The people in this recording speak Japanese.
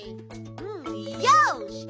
うんよし！